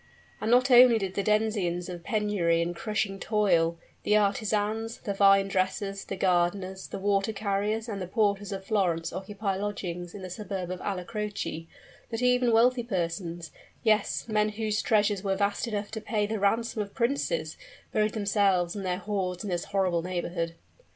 And not only did the denizens of penury and crushing toil, the artisans, the vine dressers, the gardeners, the water carriers, and the porters of Florence occupy lodgings in the suburb of Alla Croce, but even wealthy persons yes, men whose treasures were vast enough to pay the ransom of princes buried themselves and their hoards in this horrible neighborhood.